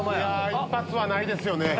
一発はないですよね？